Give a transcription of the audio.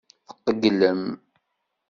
Tqeyylem.